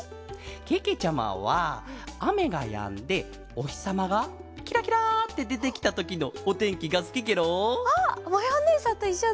けけちゃまはあめがやんでおひさまがキラキラってでてきたときのおてんきがすきケロ！あっまやおねえさんといっしょだ！